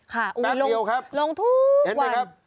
ค่ะลงทุกวันแป๊บเดียวครับเห็นไหมครับ